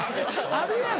あるやろ。